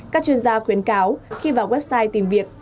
các chuyên gia khuyến cáo khi vào website tìm việc